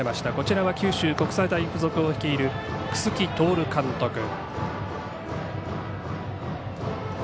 こちらは九州国際大付属を率いる楠城徹監督。